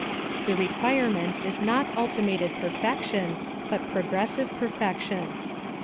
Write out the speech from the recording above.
The requirement is not ultimated per fection, but progressive perfection.